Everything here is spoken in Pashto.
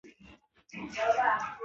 جلګه د افغانستان د طبیعي پدیدو یو رنګ دی.